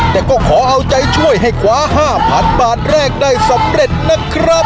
แต่ก็ขอเอาใจช่วยให้คว้า๕๐๐๐บาทแรกได้สำเร็จนะครับ